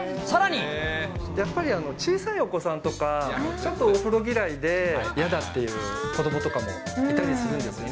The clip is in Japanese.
やっぱり、小さいお子さんとか、ちょっとお風呂嫌いで、嫌だっていう子どもとかもいたりするんですね。